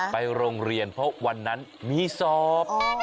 ไปโรงเรียนเพราะวันนั้นมีสอบ